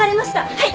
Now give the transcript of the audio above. はい！